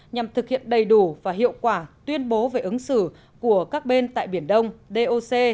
nhằm thực hiện đầy đủ và hiệu quả tuyên bố về ứng xử của các bên tại biển đông doc